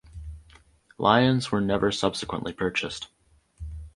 Lions were never subsequently purchased.